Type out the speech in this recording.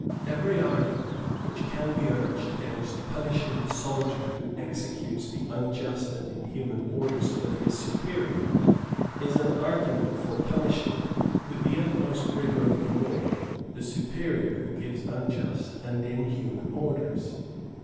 Every argument which can be urged against punishing the soldier who executes the unjust and inhuman orders of his superior is an argument for punishing with the utmost rigour of the law the superior who gives unjust and inhuman orders.